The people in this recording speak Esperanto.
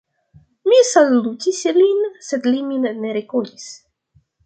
Mi salutis lin, sed li min ne rekonis.